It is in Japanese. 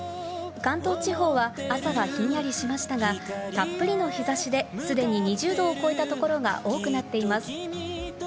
関東地方は朝はひんやりしましたが、たっぷりの日差しで、すでに２０度を超えた所が多くなっています。